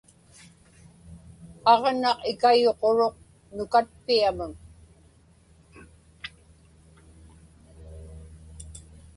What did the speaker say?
Aġnaq ikayuquruq nukatpiamun.